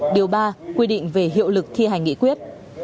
điều ba quy định về hiệu lực thi hành nghị quyết